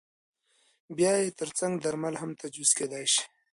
بیا یې ترڅنګ درمل هم تجویز کېدای شي.